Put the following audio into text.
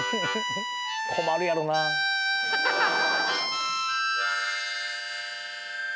困るやろな。ハハハ！